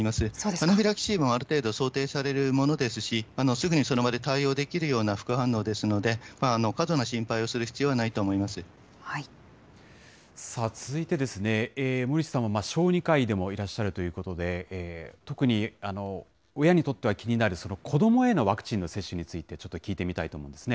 アナフィラキシーも、ある程度、想定されるものですし、すぐにその場で対応できるような副反応ですので、過度な心配をする必要は続いて、森内さんは小児科医でもいらっしゃるということで、特に親にとっては気になる、子どもへのワクチンの接種について、ちょっと聞いてみたいと思いますね。